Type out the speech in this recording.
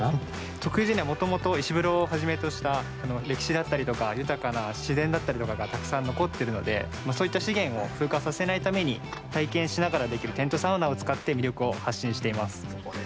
徳地には、もともと石風呂をはじめとした歴史だったりとか豊かな自然だったりとかがたくさん残っているのでそういった資源を風化させないために体験しながらできるテントサウナを使って魅力を発信しています。